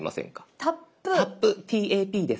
タップ「Ｔａｐ」です。